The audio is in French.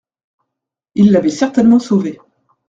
Il l'avait certainement sauvé.